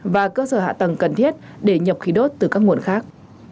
và cơ sở hạ tầng cần thiết để nhập khí đốt từ các nguồn khác